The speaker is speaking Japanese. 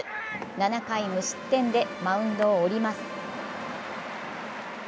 ７回無失点でマウンドを降ります。